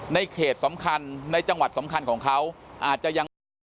เขตสำคัญในจังหวัดสำคัญของเขาอาจจะยังโอเค